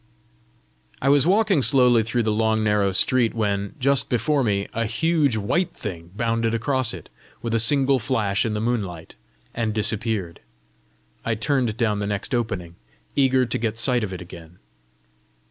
I was walking slowly through the long narrow street, when, just before me, a huge white thing bounded across it, with a single flash in the moonlight, and disappeared. I turned down the next opening, eager to get sight of it again.